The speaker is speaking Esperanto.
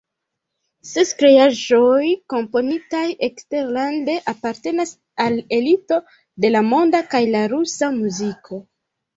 Ses kreaĵoj komponitaj eksterlande apartenas al elito de la monda kaj la rusa muziko.